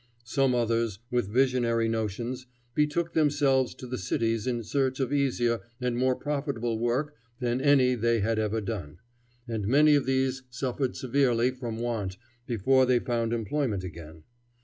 Some others, with visionary notions, betook themselves to the cities in search of easier and more profitable work than any they had ever done, and many of these suffered severely from want before they found employment again.